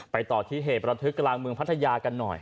ต่อที่เหตุประทึกกลางเมืองพัทยากันหน่อย